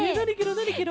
なにケロ？